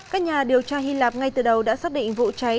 và điều tra hy lạp ngay từ đầu đã xác định vụ cháy